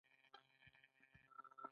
په دولتي دستګاه کې د اداري چارو ښه والی.